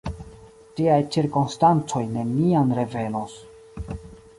Tiaj cirkonstancoj neniam revenos.